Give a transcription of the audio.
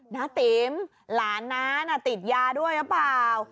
ณติ่มติดยาด้วยรึเปล่า